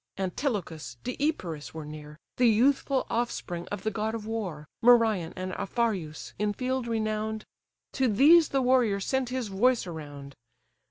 Antilochus, Deipyrus, were near, The youthful offspring of the god of war, Merion, and Aphareus, in field renown'd: To these the warrior sent his voice around.